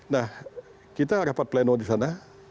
nah kita rapat pleno di sana